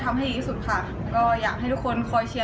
ก็เลยรู้สึกว่าเราอยากทำผลงานให้ดี